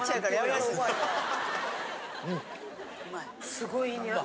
すごいいい匂い。